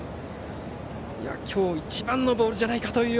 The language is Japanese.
今日一番のボールじゃないかと。